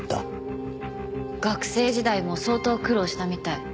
学生時代も相当苦労したみたい。